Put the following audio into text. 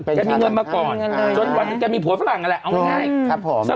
แกมีเงินเมื่อก่อนจนวันนี้แกมีผัวฝรั่งนั่นแหละเอาไว้ให้ครับผม